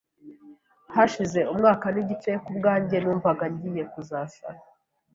Hashije umwaka n’igice ku bwanjye numvaga ngiye kuzasara